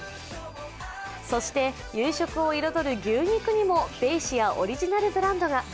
そして有色を彩る牛肉にもベイシアオリジナルブランドが。